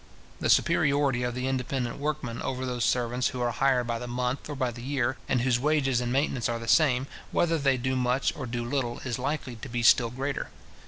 The superiority of the independent workman over those servants who are hired by the month or by the year, and whose wages and maintenance are the same, whether they do much or do little, is likely to be still greater.